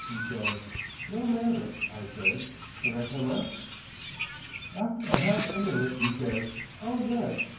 he says. "'No matter,' I says; 'can I come up?' "After a half a minute he says, 'Oh, yes!